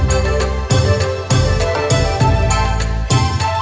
โชว์สี่ภาคจากอัลคาซ่าครับ